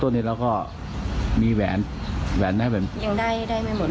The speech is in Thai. ตัวนี้แล้วก็มีแหวนแหวนได้เป็นยังได้ได้ไม่หมด